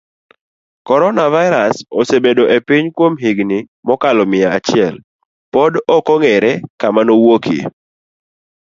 corona virus osebedo epiny kuom higini mokalo mia achiel, pod okong'ere kama neowuokie,